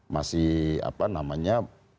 masih apa namanya